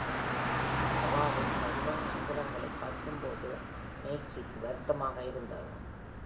அவாவில் பதிவான அங்குலங்களை பார்க்கும்போது மேக்ஸீக்கு வருத்தமாக இருந்தது.